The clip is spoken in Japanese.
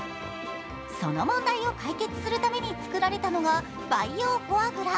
その問題を解決するために作られたのが培養フォアグラ。